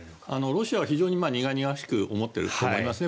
ロシアは非常に苦々しく思っていると思いますね。